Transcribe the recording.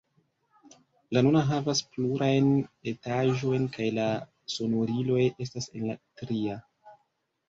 La nuna havas plurajn etaĝojn kaj la sonoriloj estas en la tria.